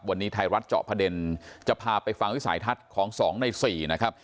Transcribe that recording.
วันนี้ไทยรัฐเจาะประเด็นจะพาไปฟังวิสัยทัศน์ของ๒ใน๔นะครับ